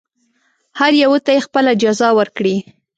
هر یوه ته یې خپله جزا ورکړي.